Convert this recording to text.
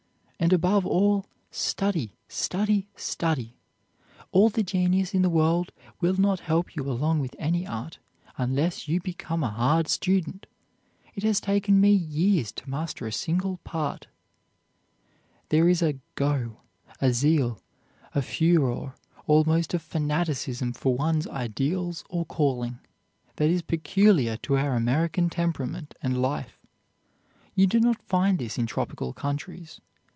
And above all, study, study, study! All the genius in the world will not help you along with any art, unless you become a hard student. It has taken me years to master a single part." There is a "go," a zeal, a furore, almost a fanaticism for one's ideals or calling, that is peculiar to our American temperament and life. You do not find this in tropical countries.